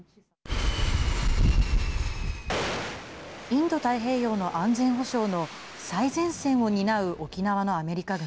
インド太平洋の安全保障の最前線を担う沖縄のアメリカ軍。